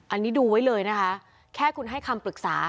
อันนี้ดูไว้เลยนะคะแค่คุณให้คำปรึกษา